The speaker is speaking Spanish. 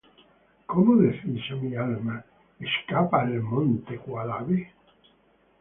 ¿Cómo decís á mi alma: Escapa al monte cual ave?